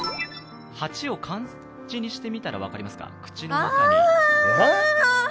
８を感じにしてみたら分かりますか？